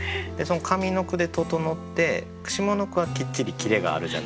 上の句で整って下の句はきっちりキレがあるじゃないですか。